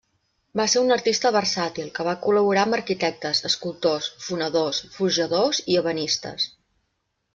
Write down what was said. Va ser un artista versàtil que va col·laborar amb arquitectes, escultors, fonedors, forjadors i ebenistes.